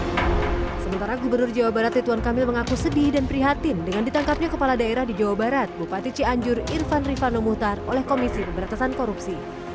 sementara gubernur jawa barat rituan kamil mengaku sedih dan prihatin dengan ditangkapnya kepala daerah di jawa barat bupati cianjur irfan rifano muhtar oleh komisi pemberantasan korupsi